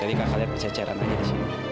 jadi kakak lihat berceceran aja di sini